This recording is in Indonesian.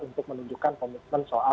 untuk menunjukkan komitmen soal